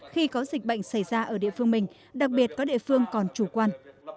khi có dịch bệnh xảy ra ở địa phương mình đặc biệt có địa phương còn chủ quan